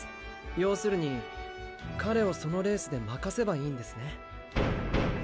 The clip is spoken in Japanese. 要するに彼をそのレースで負かせばいいんですね。